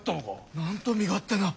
なんと身勝手な！